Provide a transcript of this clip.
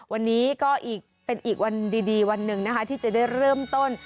วันนี้ก็เป็นอีกวันดีวันหนึ่งนะคะที่จะได้เริ่มต้น